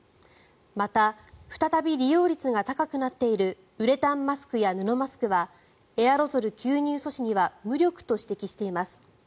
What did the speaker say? また再び利用率が高くなっているウレタンマスクや布マスクはエアロゾル吸入阻止には無力と指摘しています。